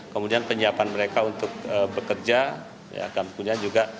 kemudian penyiapan mereka untuk bekerja